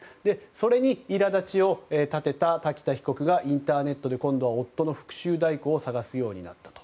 それに苛立ちを立てた瀧田被告がインターネットで今度は夫の復讐代行を探すようになった。